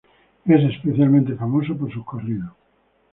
Es especialmente famoso por sus corridos.